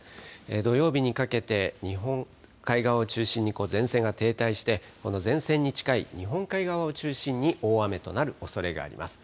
土曜日にかけて、日本海側を中心に前線が停滞して、この前線に近い日本海側を中心に大雨となるおそれがあります。